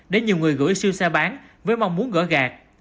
để nhiều người gửi siêu xe bán với mong muốn gỡ gạt